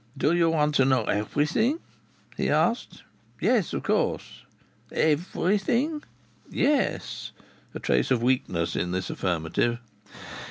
"Do you want to know everything?" he asked. "Yes of course." "Everything?" "Yes." A trace of weakness in this affirmative.